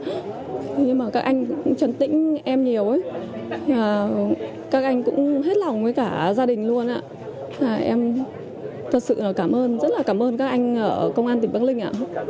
mẹ cháu cũng rất là lo nhưng mà các anh cũng trần tĩnh em nhiều các anh cũng hết lòng với cả gia đình luôn em thật sự cảm ơn rất là cảm ơn các anh ở công an tỉnh bắc ninh